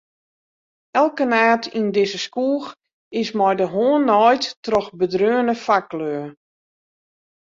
Elke naad yn dizze skoech is mei de hân naaid troch bedreaune faklju.